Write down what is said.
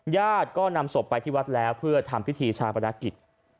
ญาติก็นำศพไปที่วัดแล้วเพื่อทำพิธีชาปนกิจ